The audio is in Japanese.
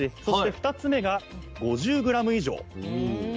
そして２つ目が５０ｇ以上。